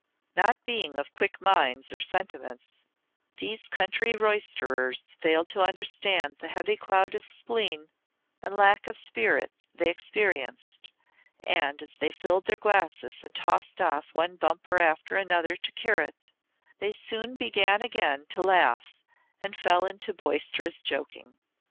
Not being of quick minds or sentiments, these country roisterers failed to understand the heavy cloud of spleen and lack of spirit they experienced, and as they filled their glasses and tossed off one bumper after another to cure it, they soon began again to laugh and fell into boisterous joking.